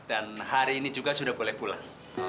dan hari ini juga sudah boleh pulang